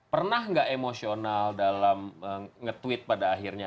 pernah nggak emosional dalam nge tweet pada akhirnya